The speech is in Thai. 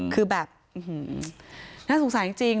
คือแบบน่าสงสัยจริง